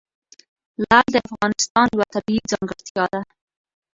لعل د افغانستان یوه طبیعي ځانګړتیا ده.